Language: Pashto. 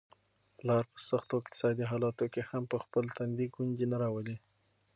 پلار په سختو اقتصادي حالاتو کي هم په خپل تندي ګونجې نه راولي.